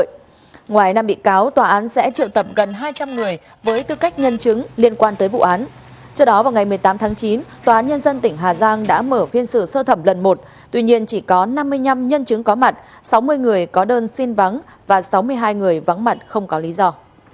với tư cách nhân chứng liên quan tới vụ án trước đó vào ngày một mươi tám tháng chín tòa án nhân dân tỉnh hà giang đã mở phiên sự sơ thẩm lần một tuy nhiên chỉ có năm mươi năm nhân chứng có mặt sáu mươi người có đơn xin vắng và sáu mươi hai người vắng mặt không có lý do